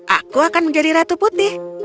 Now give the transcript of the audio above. aku akan menjadi ratu putih